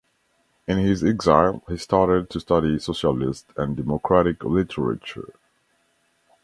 In his exile he started to study socialist and democratic literature.